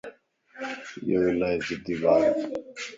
ايو الائي ضدي ٻارَ